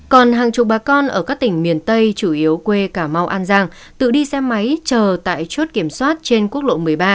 còn hàng chục bà con ở các tỉnh miền tây chủ yếu quê cà mau an giang tự đi xe máy chờ tại chốt kiểm soát trên quốc lộ một mươi ba